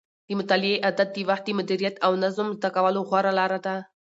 د مطالعې عادت د وخت د مدیریت او نظم زده کولو غوره لاره ده.